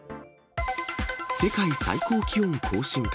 世界最高気温更新か？